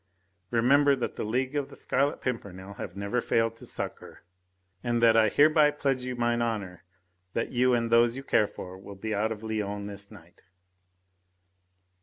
Remember that the League of the Scarlet Pimpernel have never failed to succour, and that I hereby pledge you mine honour that you and those you care for will be out of Lyons this night."